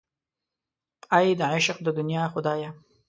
اې د عشق د دنیا خدایه.